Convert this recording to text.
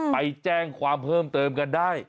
ไปแจ้งความเพิ่มเติมกันได้